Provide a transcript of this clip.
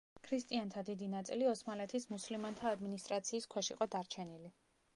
ქრისტიანთა დიდი ნაწილი ოსმალეთის მუსლიმანთა ადმინისტრაციის ქვეშ იყო დარჩენილი.